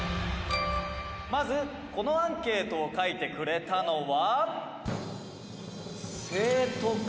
「まずこのアンケートを書いてくれたのは」